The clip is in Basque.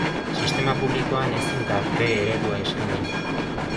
Sistema publikoan ezin da D eredua eskaini.